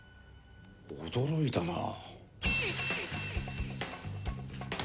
驚いたなあ。